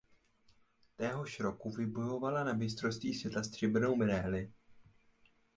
Téhož roku vybojovala na Mistrovství světa stříbrnou medaili.